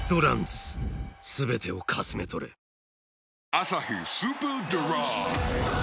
「アサヒスーパードライ」